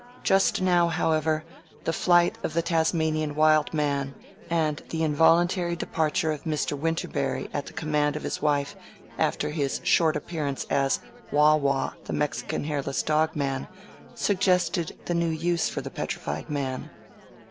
Just now, however, the flight of the Tasmanian Wild Man, and the involuntary departure of Mr. Winterberry at the command of his wife after his short appearance as Waw Waw, the Mexican Hairless Dog Man, suggested the new use for the Petrified Man.